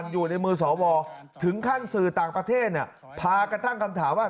อยู่ในมือสวถึงขั้นสื่อต่างประเทศพากันตั้งคำถามว่า